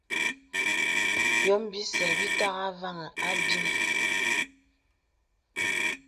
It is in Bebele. Bīòm bìsə bítà àvāŋhī àbīm.